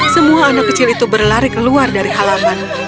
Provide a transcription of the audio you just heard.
semua anak kecil itu berlari keluar dari halaman